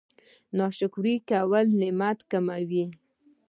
ناشکري کول نعمت کموي